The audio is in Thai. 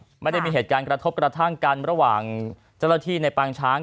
ไม่ได้มีเหตุการณ์กระทบกระทั่งกันระหว่างเจ้าหน้าที่ในปางช้าง